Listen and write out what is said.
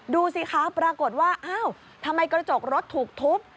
ดูสิคะปรากฏว่าอ้าวทำไมกระจกรถถูกทุบ